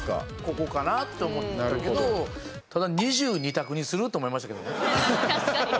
ここかなって思ったけどただ２２択にする？と思いましたけどね。